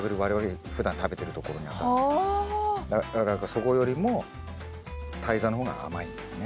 だからそこよりも胎座の方が甘いんだよね。